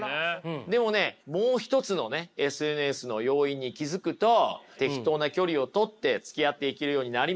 でもねもう一つのねＳＮＳの要因に気付くと適当な距離をとってつきあっていけるようになります。